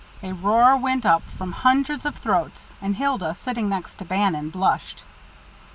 A roar went up from hundreds of throats, and Hilda, sitting next to Bannon, blushed.